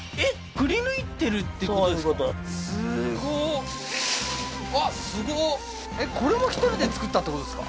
くりぬいてるっていうことですかそういうことすごっうわすごっこれも１人で作ったってことですか？